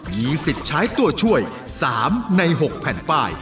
มีสิทธิ์ใช้ตัวช่วย๓ใน๖แผ่นป้าย